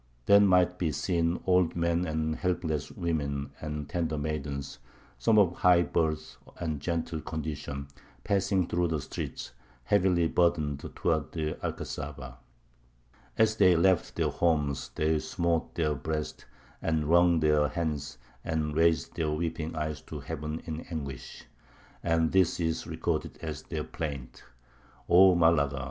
"Then might be seen old men and helpless women and tender maidens, some of high birth and gentle condition, passing through the streets, heavily burdened, towards the Alcazaba. As they left their homes they smote their breasts, and wrung their hands, and raised their weeping eyes to heaven in anguish; and this is recorded as their plaint: O Malaga!